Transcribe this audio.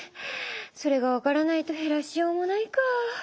それが分からないと減らしようもないかあ。